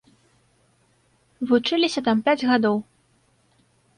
Вучыліся там пяць гадоў.